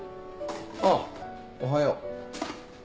・あっおはよう。